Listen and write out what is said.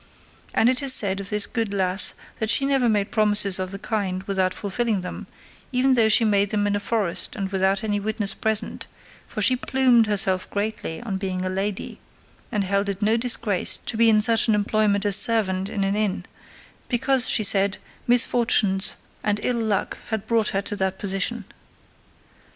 And it is said of this good lass that she never made promises of the kind without fulfilling them, even though she made them in a forest and without any witness present, for she plumed herself greatly on being a lady and held it no disgrace to be in such an employment as servant in an inn, because, she said, misfortunes and ill luck had brought her to that position.